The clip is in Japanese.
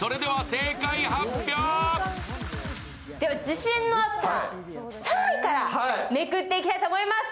自信のあった３位からめくっていきたいと思います。